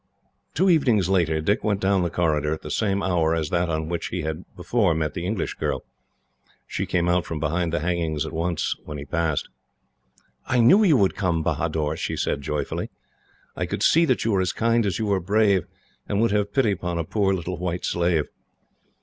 Two evenings later, Dick went down the corridor at the same hour as that on which he had before met the English girl. She came out from behind the hangings at once, when he passed. "I knew you would come, Bahador!" she said joyfully. "I could see that you were as kind as you were brave, and would have pity upon a poor little white slave!"